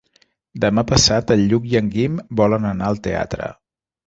Demà passat en Lluc i en Guim volen anar al teatre.